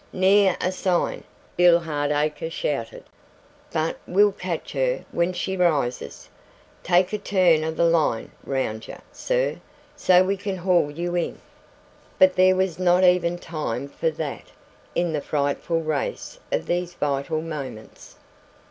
"Ne'er a sign," Bill Hardacre shouted. "But we'll catch her when she rises. Take a turn o' the line round you, sir, so's we can haul you in " But there was not even time for that in the frightful race of these vital moments.